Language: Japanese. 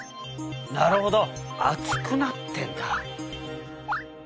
なるほど厚くなってんだ。